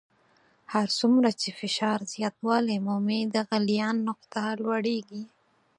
هر څومره چې فشار زیاتوالی مومي د غلیان نقطه لوړیږي.